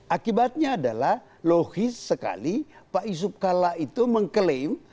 akibatnya adalah logis sekali pak yusuf kalla itu mengklaim